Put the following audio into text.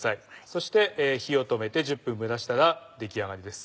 そして火を止めて１０分蒸らしたら出来上がりです。